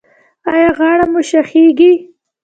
ایا غاړه مو شخیږي؟